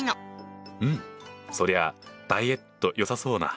うんそりゃあダイエットよさそうな。